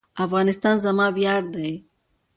افغانستان زما ویاړ دی